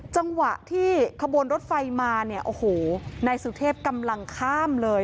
จังหวะที่ขบวนรถไฟมาเนี่ยโอ้โหนายสุเทพกำลังข้ามเลย